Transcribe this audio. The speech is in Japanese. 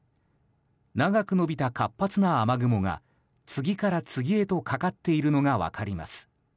長く延びた活発な雨雲が次から次へとかかっているのが分かります。